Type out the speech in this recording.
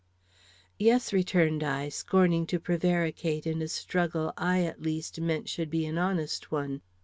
"Yes," returned I, scorning to prevaricate in a struggle I at least meant should be an honest one.